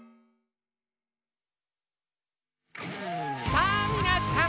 さぁみなさん！